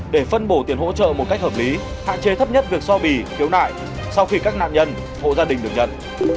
để phân bổ tiền hỗ trợ một cách hợp lý hạn chế thấp nhất việc so bì khiếu nại sau khi các nạn nhân hộ gia đình được nhận